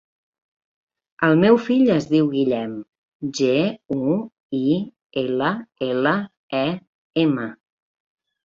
El meu fill es diu Guillem: ge, u, i, ela, ela, e, ema.